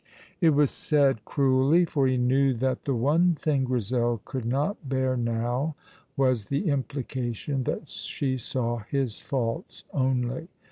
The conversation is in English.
It was said cruelly, for he knew that the one thing Grizel could not bear now was the implication that she saw his faults only.